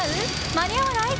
間にあわない？